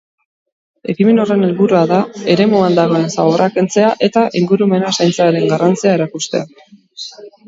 Ekimen horren helburua da eremuan dagoen zaborra kentzea eta ingurumena zaintzearen garrantzia erakustea.